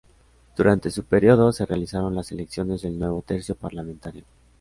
Durante su periodo, se realizaron las elecciones del nuevo tercio parlamentario.